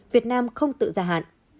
việt nam không tự gia hạn